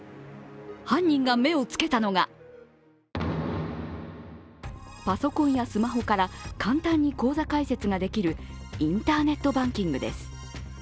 犯人が目をつけたのがパソコンやスマホから簡単に口座開設ができるインターネットバンキングです。